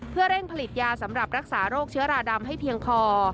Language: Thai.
เพื่อเร่งผลิตยาสำหรับรักษาโรคเชื้อราดำให้เพียงพอ